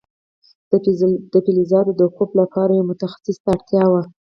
د فلزاتو د کوب لپاره یو متخصص ته اړتیا وه.